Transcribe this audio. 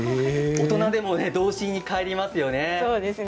大人も童心に帰りますよね。